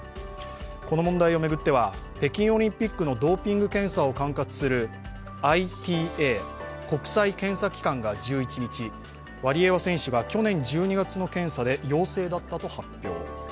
この問題を巡っては、北京オリンピックのドーピング検査を管轄するＩＴＡ＝国際検査機関が１１日、ワリエワ選手が去年１２月の検査で陽性だったと発表。